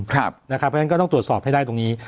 เพราะฉะนั้นก็ต้องตรวจสอบให้ได้ตรงนี้